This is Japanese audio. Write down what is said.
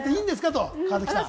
と川崎さん。